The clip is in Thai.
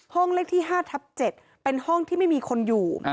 เลขที่๕ทับ๗เป็นห้องที่ไม่มีคนอยู่